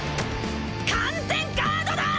完全ガードだ！